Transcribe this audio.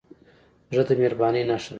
زړه د مهربانۍ نښه ده.